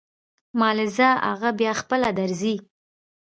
مالې ځه اغه بيا خپله درځي.